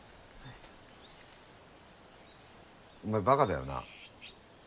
お前バカだよな。